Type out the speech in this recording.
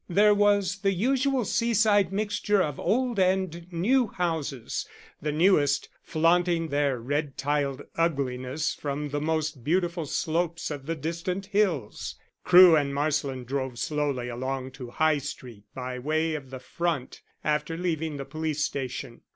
There was the usual seaside mixture of old and new houses, the newest flaunting their red tiled ugliness from the most beautiful slopes of the distant hills. Crewe and Marsland drove slowly along to High Street by way of the front after leaving the police station.